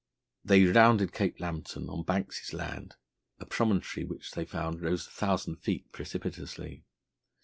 They rounded Cape Lambton on Banks' Land, a promontory which they found rose a thousand feet precipitously.